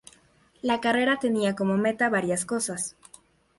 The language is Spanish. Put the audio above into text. La carrera tenía como meta varias cosas.